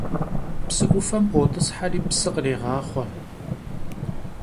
Псы Ӏуфэм ӏуотӏысхьэри псы кърегъахъуэ.